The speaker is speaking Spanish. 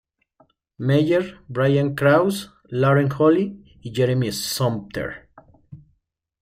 Meyer, Brian Krause, Lauren Holly y Jeremy Sumpter.